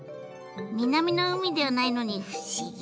南の海ではないのに不思議。